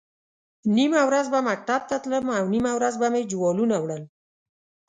نیمه ورځ به مکتب ته تلم او نیمه ورځ به مې جوالونه وړل.